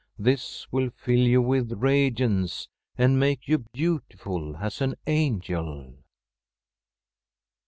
This will fill you with radiance and make you beautiful as an angel.